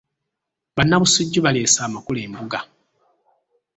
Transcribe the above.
Bannabusujju baleese amakula e mbuga.